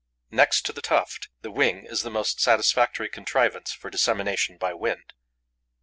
Next to the tuft, the wing is the most satisfactory contrivance for dissemination by wind.